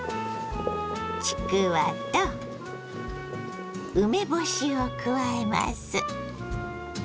ちくわと梅干しを加えます。